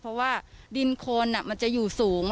เพราะว่าดินโคนมันจะอยู่สูง